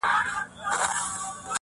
په عزت به یادېدی په قبیله کي؛